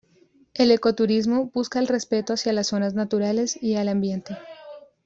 El ecoturismo busca el respeto hacia las zonas naturales y al ambiente.